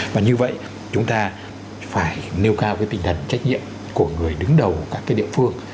và như vậy chúng ta phải nêu cao cái tinh thần trách nhiệm của người đứng đầu các địa phương